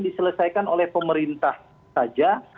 diselesaikan oleh pemerintah saja